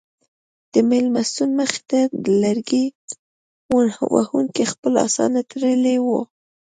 د مېلمستون مخې ته لرګي وهونکو خپل اسان تړلي ول.